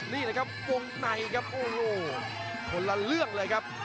นี่แหละครับวงในครับโอ้โหคนละเรื่องเลยครับ